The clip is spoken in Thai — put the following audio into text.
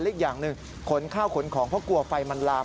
อีกอย่างหนึ่งขนข้าวขนของเพราะกลัวไฟมันลาม